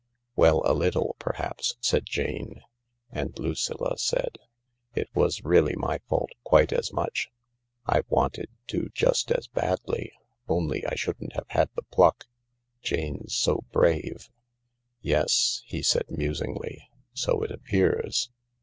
"Well, a little, perhaps," said Jane. And Lucilla said, " It was really my fault quite as much. I wanted to, just as badly, only I shouldn't have had the pluck. Jane's so brave." "Yes," he said musingly, "so it appears.